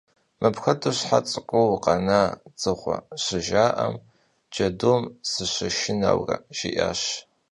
«Mıpxuedeu şhe ts'ık'uu vukhena, dzığue?» — şıjja'em, «cedum sışışşıneure» jji'aş.